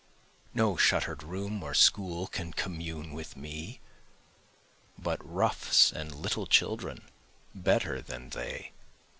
No shutter'd room or school can commune with me, But roughs and little children better than they.